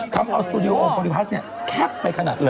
ทำเอาสตูดิโอโคลดิพลาสเนี่ยแคบไปขนาดเลย